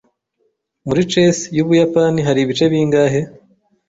Muri chess yu Buyapani hari ibice bingahe?